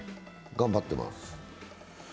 頑張っています。